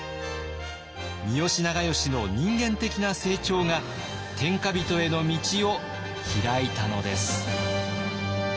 三好長慶の人間的な成長が天下人への道を開いたのです。